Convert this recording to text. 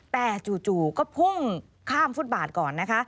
แต่จู่ก็พุ่งข้ามฟุตบาทก่อนนะคะ